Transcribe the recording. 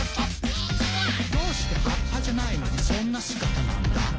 「どうして葉っぱじゃないのにそんな姿なんだ？」